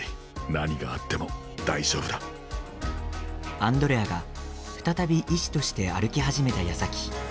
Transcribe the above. アンドレアが再び医師として歩き始めたやさき。